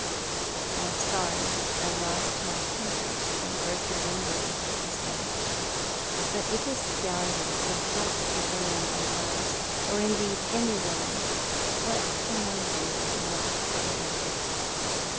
" I am sorry I lost my temper and broke your window," ho said; "but if a scoundrel insults the woman one loves — or indeed any woman — what can one do but knock him down